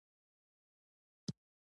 ځواک د یوې ذرې د حرکت بدلون رامنځته کوي.